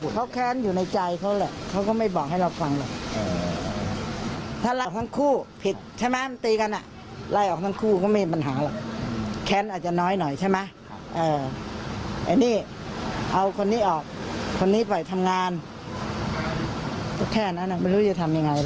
ถ้ารู้เราก็ไม่ยอมหรอก